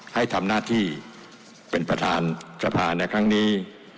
ให้ทำหน้าที่เป็นประธานสภาในครั้งนี้